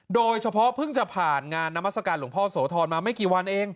โดยเฉพาะเพิ่งจะผ่านงานนามัศกาลหลวงพ่อโสธรมาไม่กี่วันเอง